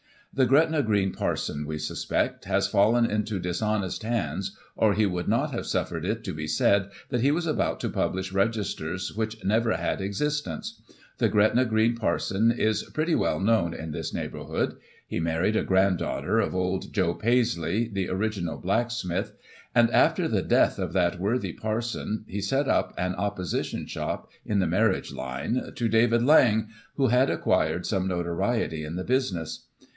* The Gretna Green Parson, we suspect, has fallen into dishonest hands, or he would not have suffered it to be said that he was about to publish registers which never had existence. The Gretna Green Parson is pretty well known in this neigh bourhood. He married a grand daughter of old Joe Paisley, 14 Digiti ized by Google 2IO GOSSIP. [1843 the ' original ' blacksmith ; and, after the death of that worthy * parson/ he set up an opposition shop, in the marriage line to David Laing, who had acquired some notoriety in the business.